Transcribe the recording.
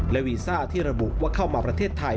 และวีซ่าที่ระบุว่าเข้ามาประเทศไทย